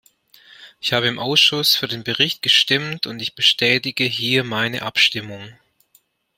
Ich habe im Ausschuss für den Bericht gestimmt, und ich bestätige hier meine Abstimmung.